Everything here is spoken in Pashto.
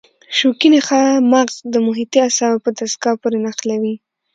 شوکي نخاع مغز د محیطي اعصابو په دستګاه پورې نښلوي.